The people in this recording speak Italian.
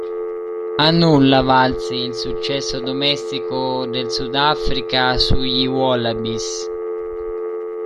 A nulla valse il successo domestico del Sudafrica sugli "Wallabies".